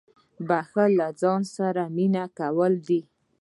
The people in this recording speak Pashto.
• بښل له ځان سره مینه کول دي.